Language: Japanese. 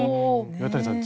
岩谷さん